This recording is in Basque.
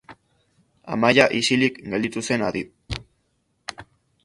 Amaia isilik gelditu zen, adi.